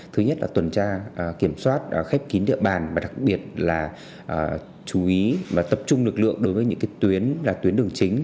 thứ nhất là tuần tra kiểm soát khép kín địa bàn và đặc biệt là chú ý tập trung lực lượng đối với những tuyến đường chính